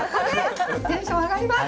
テンション上がります！